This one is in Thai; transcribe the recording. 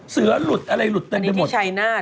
เสือหลุดอะไรหลุดเต็มไปหมดอันนี้ที่ชัยนาธ